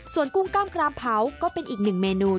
ส่วนกุ้งกล้ามกรามเผาก็เป็นอีกหนึ่งเมนู